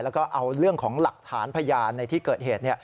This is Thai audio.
แล้วก็เอาเรื่องของหลักฐานพยานในที่เกิดเหตุ